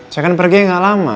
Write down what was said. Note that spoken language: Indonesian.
saya kan pergi angka lama